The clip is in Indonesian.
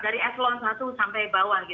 dari eselon satu sampai bawah